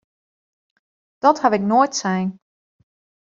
Dat ha ik noait sein!